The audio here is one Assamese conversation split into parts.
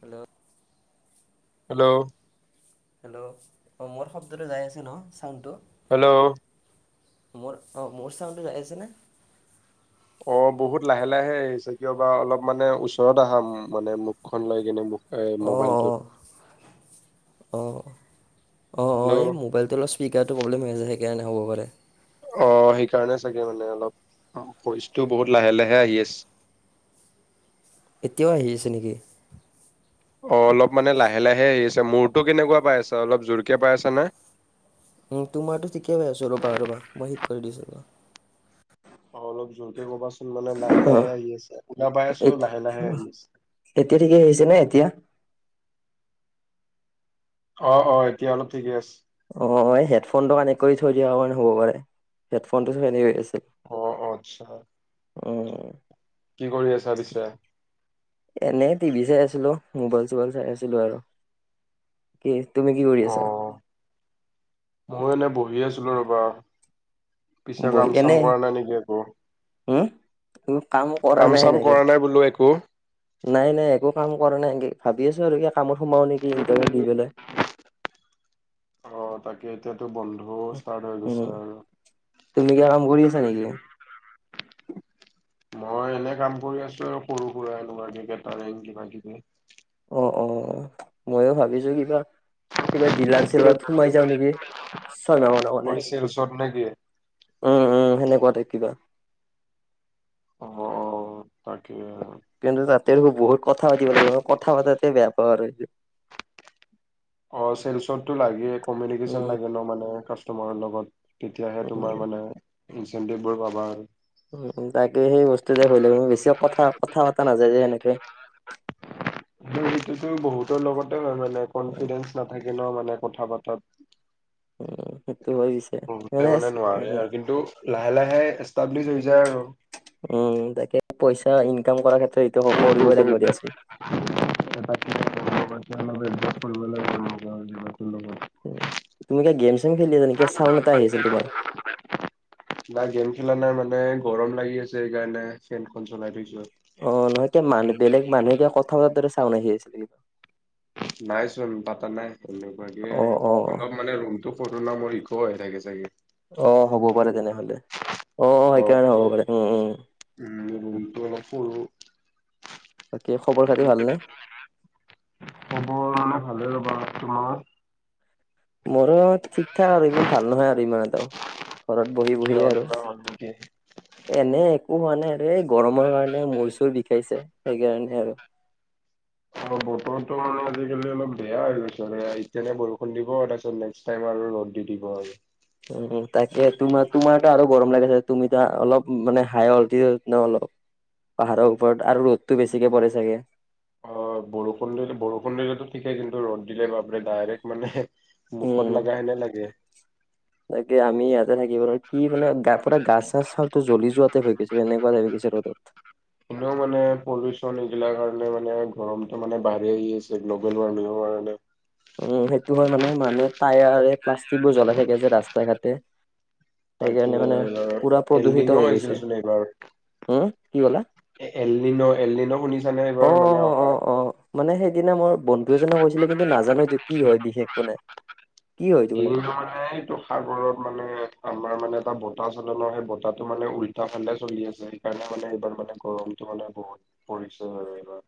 হেল্ল'। হেল্ল'। হেল্ল' অ', মোৰ শব্দটো যাই আছে ন চাউণ্ডটো। হেল্ল'। মোৰ অ', মোৰ চাউণ্ডটো যাই আছেনে? অ', বহুত লাহে, লাহে আহিছে কিয় বা অলপ মানে ওচৰত আহা মানে মুখখন লৈ কিনে মুখ এই মোবাইলটোত। অ', অ', অ', হেল্ল' এই মোবাইলটো অলপ স্পীকাৰাৰটো প্ৰব্লেম হৈ আ যছে সেইকাৰণে হ'ব পাৰে। অ', সেইকাৰণে চাগে মানে অলপ অ', শৰিচটো বহুত লাহে লাহে আহি আছে। এতিয়াও আহি আছে নেকি? অ', অলপ মানে লাহে, লাহে আহি আছে মূৰটো কেনেকুৱা পাই আছা অলপ জোৰ কিয় পাই আছা নে? তোমাৰো ঠিকেই হৈ আছো ৰ'বা ৰ'বা মই শিক কৰি দিছো ৰ'বা। অ'! অলপ জোৰকে কবাচোন? মানে, অঁ লাহে-লাহে আহি আছে। শুনা পাই আছোঁ, লাহে-লাহে আহি আছে। এতিয়া, ঠিকেই আহিছে নে এতিয়া? অ' অ'! এতিয়া অলপ ঠিকে আছে। অ'! হেডফোনটো কানেক্ট কৰি থৈ দিয়া কাৰণে, হ'ব পাৰে। হেডফোনটো [unintelligible] আছে। অ' অ'! আচ্ছা। অ'! কি কৰি আছা পিছে? এনেই টিভি চাই আছিলোঁ, মোবাইল -চোবাইল চাই আছিলোঁ আৰু। কি তুমি, কি কৰি অ আছা? মই এনে বহি আছিলোঁ ৰ'বা। পিছে, কাম-চাম কৰা নাই নেকি একো? হোঁ কাম কৰা নাই, চাম সেনেকে। কৰা নাই বোলো একো। নাই, নাই, একো কাম কৰা নাই, এনেকে। ভাবি আছোঁ আৰু কিবা কামত সোমাও নেকি! ইণ্টাৰভিউ দি পেলাই। অ'! তাকে, এতিয়াতো বন্ধও ষ্টাৰ্ট হৈ গৈছে উম আৰু। তুমি কিবা কাম কৰি আছা নেকি? মই এনে, কাম কৰি আছোঁ আৰু সৰু- সুৰা, এনেকুৱা কেটাৰিং কিবা-কিবি। অ' অ'? মইয়ো ভাবিছোঁ কিবা, কিবা ডিলাৰ ছিলাৰত সোমাই যাওঁ নেকি! অই চেলচত নেকি? [unintelligible] উম, উম! সেনেকুৱাতেই কিবা। অ' অ'! তাকে। কিন্তু তাতে, বহুত কথা পাতিব লাগিব, কথা পতাতে বেয়া পাওঁ আৰু সেইটো! অ'! চেলচতটো লাগে, কমিউনিকেশ্চন উম লাগে ন' মানে, কাষ্টমাৰৰ লগত। তেতিয়াহে, তোমাৰ উম মানে, ইনচেন্টিভ বোৰ পাবা। উম, তাকে সেই, বস্তুটোৱে বেলেগ, বেছি কথা, কথা পতা নযায় যে, সেনেকে। এইটোতো বহুতৰ লগতে, হয় মানে। উম কনফিডেন্ঞ্চ নাথাকিলও মানে, কথা পাতাত। উম! সেইটো হয় পিছে। বহুতে মানে, নোৱাৰে আৰু। কিন্তু, লাহে-লাহে এষ্টাব্লিছ হৈ যায় আৰু। উম! তাকে, পইচা ইনকাম কৰাৰ ক্ষেত্ৰত, এইটো কৰিবই লাগিব দিয়াচোন। [unintelligible] উম, [unintelligible] তুমি [unintelligible] গেম-চেম খেলি আছা নেকি? চাউণ্ড এটা আহি আছে, তোমাৰ। না গেম খেলা নাই মানে। গৰম লাগি আছে! সেইকাৰণে, ফেনখন চলাই থৈছোঁ আৰু। অ'! নহয় ত' মানুহ বেলেগ মানুহে, কিয় কথা পতাৰ চাউণ্ড আহি আছিলে। নাই চোন, পাতা নাই। এনেকুৱাকে, অ', অ', অলপ মানে, ৰুমটো ফটো নামৰ [unintelligible] হৈ থাকে চাগে! অ'! হ'ব পাৰে তেনেহ'লে। অ'! অ সেইকাৰণে, হ'ব পাৰে। উম, উম। উম, [unintelligible] অলপ সৰু। তাকে, খবৰ খাতি ভালনে? [unintelligible] খবৰ মানে, ভালে ৰ'বা। তোমাৰ? মোৰো, ঠিক-ঠাক আৰু ইমান ভাল নহয় আৰু ইমান এটাওঁ। ঘৰত বহি কিয় বহিয়ে আৰু। কিবা হ'ল নেকি? এনে একো হোৱা নাই আৰু। এই, গৰমৰ কাৰণে মূৰ-চূৰ বিষাইছে! সেইকাৰণে আৰু। অ'! বতৰটো মানে, আজিকালি অলপ বেয়া হৈ গৈছে। এতিয়ালে, বৰষুণ দিব। তাৰপাছত, নেক্সট টাইম আৰু ৰ'দ দি দিব আৰু। উম! তাকে, তোমাৰ তোমাৰতো আৰু গৰম লাগে, তুমিতো অলপ মানে, হাই অল্টিতিউৎ ন' অলপ। পাহাৰৰ ওপৰত আৰু ৰ'দটো বেছিকে পৰে চাগে! অ'! বৰষুণ দিলে, বৰষুণ দিলেটো ঠিকেই। কিন্তু, ৰ'দ দিলে, বাপৰে! ডাইৰেক্ট মানে উম, মুখত লগা হেনে লাগে। তাকে আমি, ইয়াতে থাকিব [unintelligible] কি মানে, গা পূৰা গা-চা চবটো জ্বলি যোৱাতে হৈ গৈছে, এনেকুৱা লাগিছে ৰ'দত। এনেও মানে, পলিউশ্যন এইগিলাৰ কাৰণে, মানে গৰমটো মানে, বাঢ়ি আহি আছে! গ্ল'বেল ৱাৰ্মিঙৰ কাৰণে। উম, সেইটো হয়, মানে! মানুহে, টায়াৰে প্লাষ্টিক বোৰ জ্বলাই থাকে যে, ৰাস্তায়ে-ঘাটে। সেইকাৰণে মানে পুৰা তাকে প্ৰদূষিত এলনিনো হৈ গৈছে। আহিছিলচোন এইবাৰ। উম, কি ক'লা? এ এললিলো, এললিনো শুনিছানে অ এইবাৰ? মানে অ অ অকা অ', মানে সেইদিনা মোৰ বন্ধু এজনে কৈছিলে কিন্তু নাজানো সেইটো কি হয় বিশেষ মানে কি [unintelligible] মানে সেইটো সাগৰত মানে আমাৰ মানে এটা বতাহ চলে ন', সেই বতাহটো মানে উল্টা ফালে চলি আছে। সেইকাৰণে মানে এইবাৰ মানে গৰমতটো মানে বহুত পৰিছে আৰু এইবাৰ।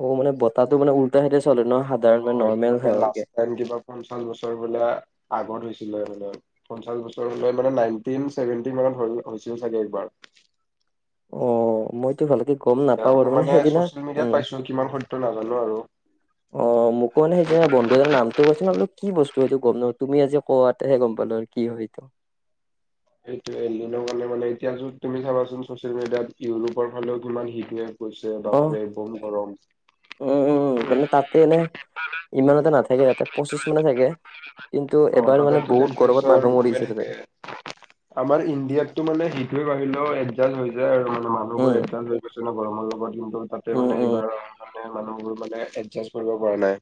অ', মানে বতাহটো মানে উল্টা চাইদে চলে ন', সাধাৰণ মানে নৰ্মেল [unintelligible] কে আৰু কিবা পঞ্চাশ বছৰ বোলে আগত হৈছিলে বোলে। পঞ্চাশ বছৰ [unintelligible] মানে নাইনটিন ছেভেনটি মানত হৈ হৈছিল চাগে একবাৰ। অ', মই টো ভালকে গম নাপাওঁ আৰু মই মানে সেইদিনা চচিয়েল মিডিয়াত উম পাইছোঁ। কিমান সত্য নাজানো আৰু। অ', মোকো মানে সেইজিনা বন্ধু এজনে নামটো কৈছিলে, মই বলো কি বস্তু সেইটো গম [unintelligible] তুমি আজি কআতেহে গ'ম পালোঁ কি হয়তো। এইটোয়ে, এলিনৰ কাৰণে মানে এতিয়া য তুমি চাবাচোন চচিয়েল মিডিয়াত, ইউৰোপৰ ফালেও কিমান হিট ৱেভ। হৈছে অ বাপৰে। বম গৰম। উম, উম। মানে তাতটো এনে ইমান এটা নাথাকে, তাতে পঁচিছ মানে থাকে। কিন্তু অ এবাৰ মানে তাতেতো বহুত গৰমত টেম্পৰেচাৰ মানুহ কমে মৰিছে তাতে। থাকে আমাৰ ইণ্ডিয়াতটো মানে হিট-ৱেভ আহিলেও, এডজাষ্ট হৈ যায় আৰু মানে উম মানুহবোৰ এডজাষ্ট হৈ গৈ [unintelligible] গৰমৰ লগত কিন্তু তাতে উম মানে উম এইবাৰ মানে মানুহবোৰ মানে এডজাষ্ট কৰিব পৰা নাই।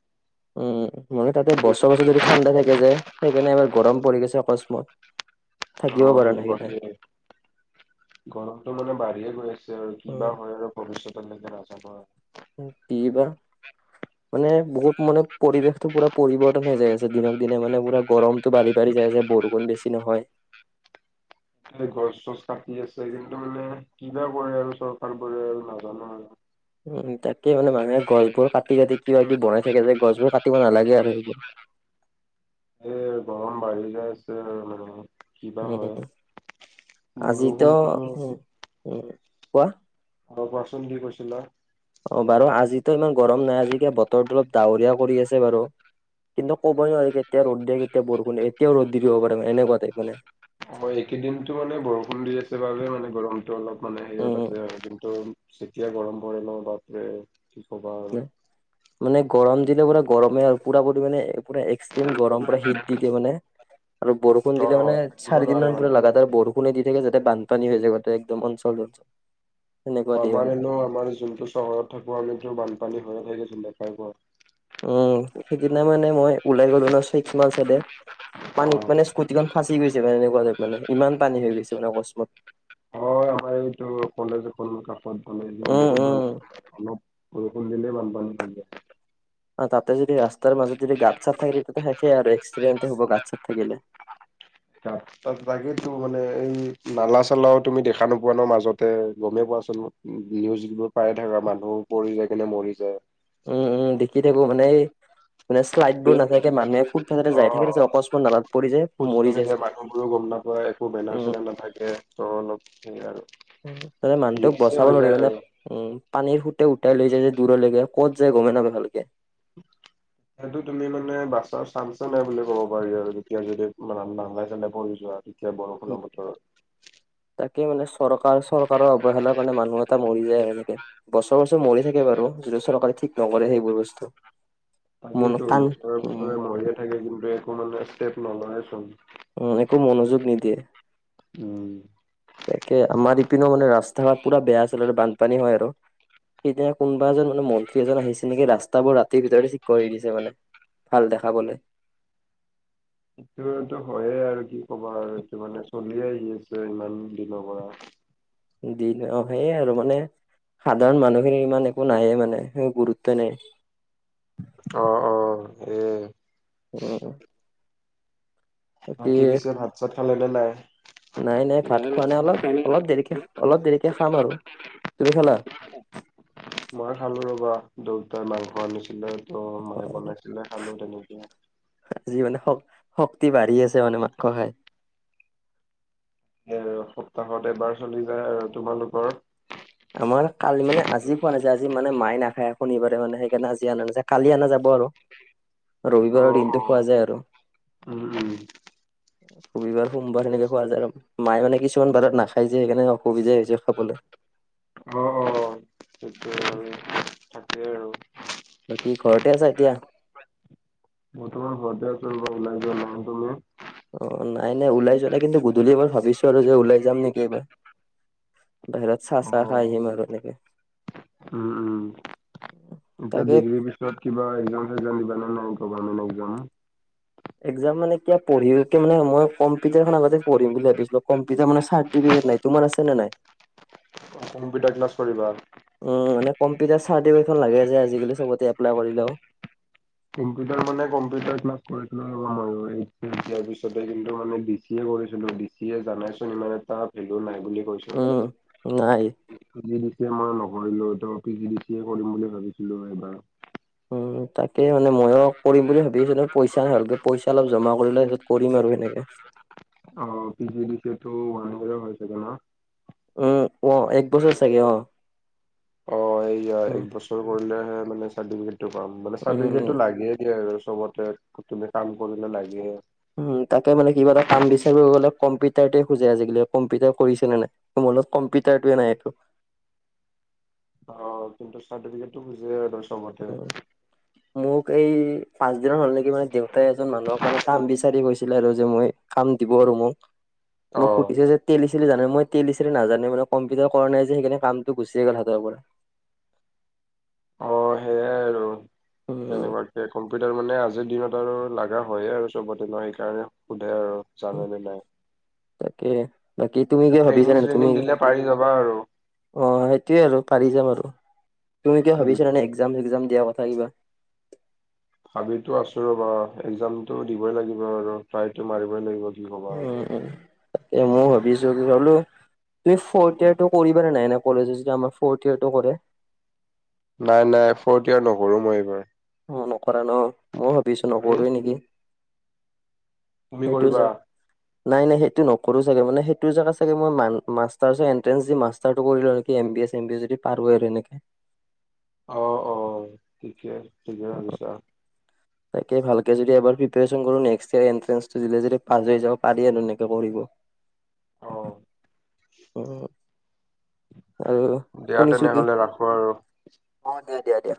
উম, মানে তাতে বছৰে-বছৰে যদি ঠাণ্ডা থাকে যে সেইকাৰণে এবাৰ গৰম পৰি গেছে অকস্মাত থাকিব অ', পৰা নাই সেইকাৰণে সেনেকুৱাকে। গৰমতটো মানে বাঢ়িয়ে গৈ আছে আৰু উম কিবা হয় আৰু ভৱিষ্যতৰ লৈকে নাজানো আৰু। কি বা মানে বহুত মানে পৰিৱেশটো পুৰা পৰিবৰ্তন হৈ যায় আছে দিনক দিনে মানে পুৰা গৰমতো বাঢ়ি-বাঢি যায় যে, বৰষুণ বেছি নহয়। গছ চছ কাটি আছে, কিন্তু মানে কিবা কৰে আৰু চৰকাৰবোৰে আৰু নাজানো আৰু।। উম, তাকে মানে মানুহে গছবোৰ কাটি-কাটি কিবা-কিবি বনাই থাকে যে গছবোৰ কাটিব নালাগে আৰু সেইবোৰ। এ গৰম বাঢ়ি যায় আছে মানে কিবা হয় উম, আজিতো বৰষুণটো অ কোৱা? অ', কোৱাচোন। কি কৈছিলা? অ', বাৰু আজিতো ইমান গৰম নাই। আজি কিবা বতৰটো অলপ ডাৱৰীয়া কৰি আছে বাৰু। কিন্তু ক'বই নোৱাৰি। কেতিয়া ৰ'দ দিয়ে, কেতিয়া বৰষুণ দিয়ে। এতিয়াও ৰ'দ দি দিব পাৰে, এনেকুৱা টাইপ মানে। অ', এইকেইদিনটো মানে বৰষুণ দি আছে বাবে মানে গৰমতটো অলপ মানে উম, হেৰিয়ট উম। আছে আৰু কিন্তু যেতিয়া গৰম পৰে ন', বাপ্পৰে কি কবা আৰু। উম। মানে গৰম দিলে পুৰা গৰমেই আৰু পুৰা-পুৰি মানে পুৰা এক্সট্ৰিম গৰম পুৰা হিট দি দিয়ে মানে। আৰু বৰষুণ অ দিলে মানে থাকিব নোৱাৰে চাৰিদিনমান মানে পুৰা লাগাতাৰ বৰষুণে দি থাকে, যাতে বানপানী হৈ যায় গ'তে একদম অঞ্চলটোত। [unintelligible] আমাৰেনো, আমাৰ যোনটো চহৰত থাকোঁ, আমিটো বানপানী হৈয়ে থাকে [unintelligible] উম। সিদিনা মানে মই ওলাই গ'লো ন', ছিক্স মাইল চাইদে পানীত মানে স্কোটিখন ফাঁচি গৈছে [unintelligible] মানে ইমান পানী হৈ গৈছে মানে অকস্মাত। হয়। আমাৰ এইটো, কলেজ এখন কাষত পালে উম বহুত ভাল। উম অলপ বৰষুণ দিলে বানপানী হৈ যায়। তাতে যদি ৰাস্তাৰ মাজত যদি গাত-ছাত থাকে তেতিয়াটো টো শেষে আৰু এক্সিদেন্তে হ'ব গাত-ছাত থাকিলে। গাত-তাত তাকেইেতো মানে এই নালা চালাও তুমি দেখা নোপোৱা ন', মাজতে। গ'মেই পোৱাচোন মোক নিউজ যিবোৰ পায়ে থাকা। মানুহ পৰি যায় কিনে মৰি যায়। উম। উম। দেখি থাকো মানে এই মানে শ্লাইডবোৰ নাথাকে। মানুহে ফুটপাথতে যায় অ', থাকে, তাৰপিছত অকস্মাত নালাত পৰি যায়, খোজ মৰি যায়। [unintelligible] গম নাপায়। কো উম বেনাৰ-চেনাৰ নাথাকে। ত' অলপ সেই আৰু। উম। তই মানুহটোক ৰিক্সি বচাব হৈ যায় ধৰিবি ন'। আৰু। উম পানীৰ সুতে উটাই লৈ যায় যে দূৰলৈকে ক'ত যায় গমে নাপায় ভালকে। সেইটো তুমি মানে বাছাৰ চান্সে নাই বুলি ক'ব পাৰি আৰু তেতিয়া যদি মানে নালে চালে পৰি যোৱা। এতিয়া বৰষুণৰ বতৰত। তাকে মানে চৰকাৰ চৰকাৰৰ অৱহেলাৰ কাৰণে মানুহ এটা মৰি যায় এনেকে। বছৰ বছৰ মৰি থাকে বাৰু যদি চৰকাৰে ঠিক নকৰে সেইবোৰ বস্তু। মন তাকেটো কাণ বস্তু উম, চবে মৰিয়ে থাকে কিন্তু একো মানে ষ্টেপ নলয় চব উম একো মনোযোগ নিদিয়ে। উম। তাকে আমাৰ ইপিনেও মানে ৰাস্তা ঘাট পুৰা বেয়া আছিলে আৰু বানপানী হয় আৰু সিদিনা কোনোবা এজন মানে মন্ত্ৰী এজন আহিছে নেকি ৰাস্তাবোৰ ৰাতিৰ ভিতৰতে ঠিক কৰি দিছে মানে। ভাল দেখাবলৈ। সেইটোতো হয়য়ে আৰু কি ক'বা আৰু এইটো মানে চলিয়ে আহি আছে ইমান দিনৰ পৰা। দিন অ সেইয়ে আৰু মানে সাধাৰণ মানুহখিনি ইমান একো নাই ৱে মানে স গুৰুত্ব নাই। অ' অ' এ। উম। বাকী পিছে ভাত চাত খালে নে নাই? নাই নাই ভাত খোৱা নাই অলপ অলপ দেৰিকে অলপ দেৰিকে খাম আৰু। তুমি খালা? মই খালো ৰ'বা দেউতাই মাংস আনিছিলে। ত মায়ে অ বনাইছিলে খালো তেনেকে। আজি মানে শক্তি বাঢ়ি আছে মানে মাংস খাই। এ সপ্তাহত এবাৰ চলি যায় আৰু। তোমালোকৰ? আমাৰ কালি মানে আজি খোৱা নাযায় আজি মানে মাই নাখায় শনিবাৰে মানে সেইকাৰণে আজি অনা নাযায় কালি অনা যাব আৰু। উ [inaudible] ৰবিবাৰৰ দিনটো খোৱা যায় আৰু উম, উম। ৰবিবাৰ সোমবাৰ সেনেকে খোৱা যায় আৰু মায়ে মানে কিছুমান বাৰত নাখাই যে সেইকাৰণে অসুবিধাই হৈছে খাবলৈ। অ' অ' সেইটোয়ে আৰু থাকেই আৰু। বাকি ঘৰতে আছা এতিয়া? বৰ্তমান ঘৰতে আছো ৰ'বা। ওলাই যোৱা নাই। তুমি? অ' নাই নাই ওলাই যোৱা নাই, কিন্তু গধূলি এবাৰ ভাবিছোঁ আৰু যে ওলাই যাম নেকি এইবাৰ। বাহিৰত চাহ অ, চাহ খাই আহিম আৰু এনেকে। উম উম। এতিয়া তাকে ডিগ্ৰীৰ পিছত কিবা একজাম চেকজাম দিব নে নাই, গভমেট একজাম। একজাম মানে কিয় পঢ়ি কে মে মই কম্পিটাৰ খন আগতে পঢ়িম বুলি ভাবিছিলো কম্পিটাৰ মানে চাৰ্টিফিকেট নাই। তোমাৰ আছে নে নাই? কম্পিউটাৰ ক্লাছ কৰিবা। উম মানে কম্পিটাৰ চাৰ্টিফিকেট খন লাগে যে আজিকালি এপ্লাই কৰিলেও। কম্পিউটাৰ মানে কম্পিউটাৰ ক্লাচ কৰিছিলো আৰু এইচ এচ দিয়াৰ পিছতে কিন্তু মানে ডি চি এ কৰিছিলো। সে জানাইচোন ইমান এটা ভেলু নাই বুলি কয় চোন। উম নাই। পি জি ডি চি মই নকৰিলো ত P G D C A কৰিম বুলি ভাবিছিলো এইবাৰ। উম তাকে মানে ময়ো কৰিম বুলি ভাবিছিলো পইচা ন হ'লগ পইচা অলপ জমা কৰিলৈ তাৰ পিছত কৰিম আৰু সেনেকে। অ' P G D C A টো ওৱান ইয়েৰ হয় চাগে ন? উম অ এক বছৰ চাগে অ। অ এই উম, একবছৰ কৰিলেহে মানে চাৰ্টিফিকেট সেইটো পাম মানে উম, চাৰটিফিকেটো লাগে দিয় আৰু চবতে তুমি কাম কৰিলে লাগে। উম তাকেতো কিবা এটা কাম বিচাৰিব গ'লে কম্পিউটাৰতে খোজে আজিকালি কম্পিউটাৰ কৰিছে নে নাই। মোৰ লগত কম্পিউটাৰটো নাই টো। অ কিন্তু ৰ্চাটিফিকেট টো খুজে আৰু চবতে অ'। মোক এই পাচদিনৰ হ'ল নেকি। মানে দেউতাই এজন মানুহক মানে কাম বিচাৰি গৈছিলে আৰু যে মই কাম দিব আৰু মোক। [inaudible] মোক সুধিছে যে তেলি-চেলি জানে, মই তেল-চেলি নাজানে মানে কম্পিউটাৰ কৰা নাই যে সেইকাৰনে কামটো গুচি গ'ল হাতৰ পৰা। অ সেয়াই আৰু [unintelligible] উম কম্পিউটাৰ মানে আজিৰ দিনত আৰু লাগা হয়ে আৰু চবতে ন। সেইকাৰণে সোধে আৰু। জানানে নাই? তাকে বাকী তুমি কিবা ভাবিছা নে তুমি ট্ৰেইনিং-চ্ৰেইনিং দিলে পাৰি যাবা আৰু। অ', সেইটোৱে আৰু পাৰি যাম আৰু। তুমি কিবা উম ভাবিছিলা নে এক্সাম-চেক্সাম দিয়া কথা কিবা? ভাবিতো আছো ৰ'বা। এক্সামটো দিবই লাগিব আৰু ট্ৰাইটো মাৰিবই লাগিব। কি ক'বা উম আৰু উম, তাকে। ময়ো ভাবি আছো কিবা বোলো তুমি ফৰ্থ ইয়েৰটো কৰিবা নে নাই এনে কলেজে যদি আমাৰ ফৰ্থ ইয়েৰটো কৰে? নাই নাই। ফৰ্থ ইয়েৰ নকৰো মই এইবাৰ। অ', নকৰা ন। ময়ো ভাবি আছো তুমি নকৰোৱে নেকি। তুমি সেইটো কৰিবা যাওঁক। নাই নাই সেইটো নকৰো চাগে। মানে সেইটো জেগাত চাগে মই মান মাষ্টাৰ্ছৰ এণ্ট্ৰেঞ্চ দি মাষ্ট টো কৰি লওঁ নেকি M B A, same B A যদি পাৰো আৰু এনেকে। অ', অ', ঠিকে ঠিকে অ ভাবিছা। তাকে ভালকে যদি এবাৰ প্ৰিপেৰেচন কৰো, নেক্সট ইয়েৰ এণ্ট্ৰেঞ্চটো দিলে যদি পাছ হৈ যাব পাৰি আৰু এনেকে কৰিব। [inaudible] অ'। দিয়া তেনেহ'লে ৰাখো আৰু। অ', দিয়া দিয়া দিয়া।